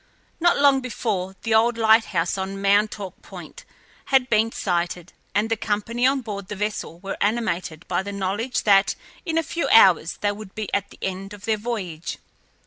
Not long before, the old light house on Montauk Point had been sighted, and the company on board the vessel were animated by the knowledge that in a few hours they would be at the end of their voyage.